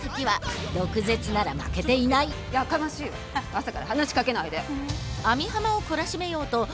朝から話しかけないで。